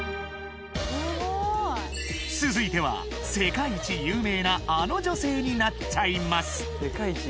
続いては世界一有名なあの女性になっちゃいます